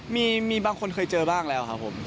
มีบางคนเคยเจอบ้างแล้วครับผม